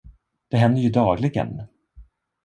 Det händer ju dagligen!